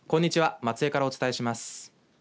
松江からお伝えします。